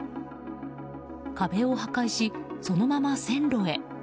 壁を破壊し、そのまま線路へ。